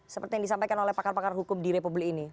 seperti yang disampaikan oleh pakar pakar hukum di republik ini